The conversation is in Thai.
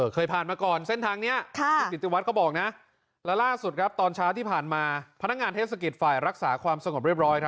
เคยผ่านมาก่อนเส้นทางเนี่ยพี่กิจตุวัดบอกนะท่านเศรษฐกิจครกษาเรียบร้อย